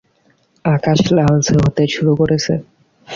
আকাশ লালচে হতে শুরু করেছে।